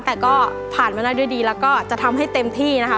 แต่ก็ผ่านมาได้ด้วยดีแล้วก็จะทำให้เต็มที่นะคะ